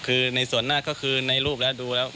คือในส่วนหน้าก็คือในรูปแล้วดูแล้ว